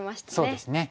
そうですね。